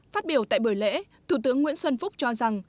phát biểu tại buổi lễ thủ tướng nguyễn xuân phúc cho rằng